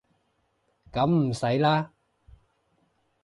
噉唔使啦